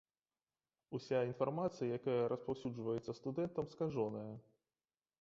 Уся інфармацыя, якая распаўсюджваецца студэнтам, скажоная.